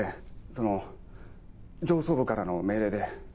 その上層部からの命令で。